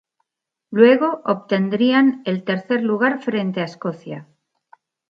Luego obtendrían el Tercer lugar frente a Escocia.